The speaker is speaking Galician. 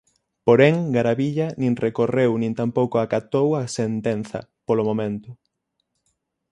Porén, Garavilla nin recorreu nin tampouco acatou a sentenza, polo momento.